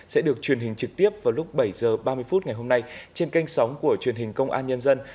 sẽ được truyền hình trực tiếp vào lúc bảy h ba mươi phút ngày hôm nay trên kênh sóng của truyền hình công an nhân dân